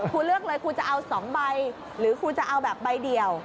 เลือกเลยคุณจะเอา๒ใบหรือคุณจะเอาแบบใบเดียว